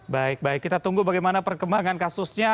baik baik kita tunggu bagaimana perkembangan kasusnya